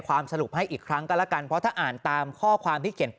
สรุปให้อีกครั้งก็แล้วกันเพราะถ้าอ่านตามข้อความที่เขียนไป